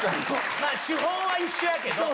手法は一緒やけど。